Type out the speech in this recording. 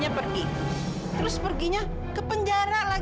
ibu ibu tenang dulu